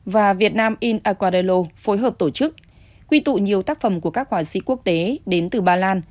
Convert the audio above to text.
và vietnam in aquarello phối hợp tổ chức quy tụ nhiều tác phẩm của các quả sĩ quốc tế đến từ bà lan